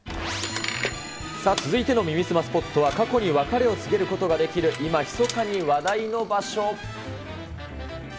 さあ続いての耳すまスポットは、過去に別れを告げることができる今、ひそかに話題の場所。